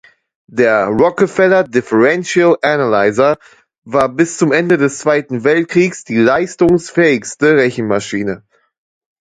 Der "Rockefeller Differential Analyzer" war bis zum Ende des Zweiten Weltkriegs die leistungsfähigste Rechenmaschine.